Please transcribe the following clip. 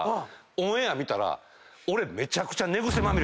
オンエア見たら俺。